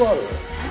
えっ？